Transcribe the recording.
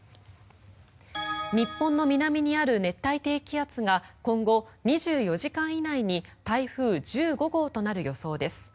日本の南にある熱帯低気圧が今後２４時間以内に台風１５号となる予想です。